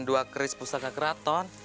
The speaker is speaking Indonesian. dua keris pusaka keraton